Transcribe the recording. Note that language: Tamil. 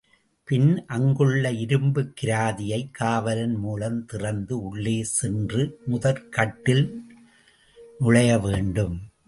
பின் அங்குள்ள இரும்புக் கிராதியைக் காவலன் மூலம் திறந்து உள்ளே சென்று முதற் கட்டில் நுழைய வேண்டும்.